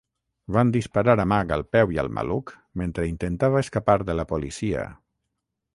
Van disparar a Mack al peu i al maluc mentre intentava escapar de la policia.